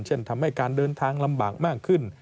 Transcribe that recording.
ทำให้การเดินทางลำบากมากขึ้น